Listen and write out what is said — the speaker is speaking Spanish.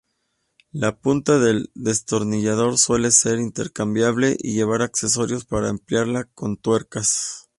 La punta del destornillador suele ser intercambiable y llevar accesorios para emplearlo con tuercas.